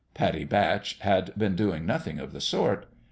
Pattie Batch had been doing nothing of the sort.